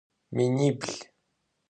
Minibl.